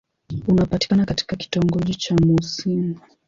Unapatikana katika kitongoji cha Mouassine.